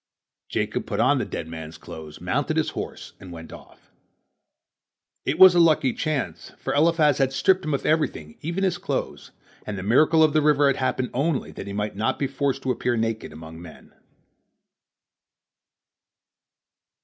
Jacob put on the dead man's clothes, mounted his horse, and went off. It was a lucky chance, for Eliphaz had stripped him of everything, even his clothes, and the miracle of the river had happened only that he might not be forced to appear naked among men.